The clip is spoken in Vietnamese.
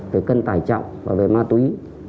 về cân tải trọng và về ma túy